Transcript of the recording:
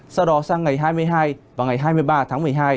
sau đó sang ngày hai mươi hai và ngày hai mươi ba tháng một mươi hai